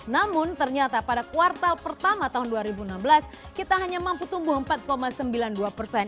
namun ternyata pada kuartal pertama tahun dua ribu enam belas kita hanya mampu tumbuh empat sembilan puluh dua persen